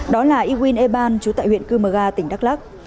đó là ewin eban trú tại huyện cư mờ ga tỉnh đắk lắc